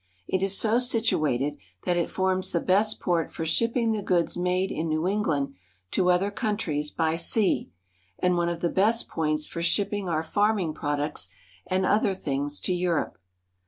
It is so situated that it forms the best port for shipping the goods made in New England to other countries by sea, and one of the best points for shipping our farming products and other things to Europe.